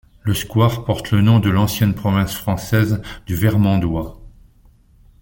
Le square porte le nom de l'ancienne province française du Vermandois.